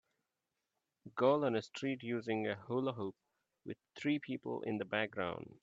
Girl on a street using a hula hoop, with three people in the background.